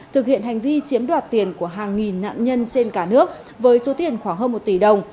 thực hiện hành vi chiếm đoạt tiền của hàng nghìn nạn nhân trên cả nước với số tiền khoảng hơn một tỷ đồng